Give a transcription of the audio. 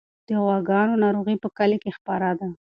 د غواګانو ناروغي په کلي کې خپره ده.